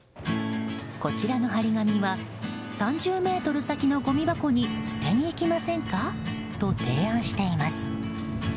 こちらの貼り紙は３０ｍ先のごみ箱に捨てに行きませんか？と提案しています。